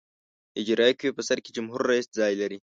د اجرائیه قوې په سر کې جمهور رئیس ځای لري.